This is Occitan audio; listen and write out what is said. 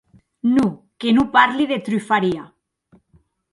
Non, que non parli de trufaria.